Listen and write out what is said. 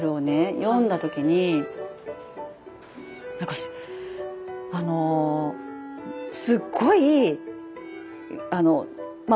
読んだ時になんかあのすっごいまあ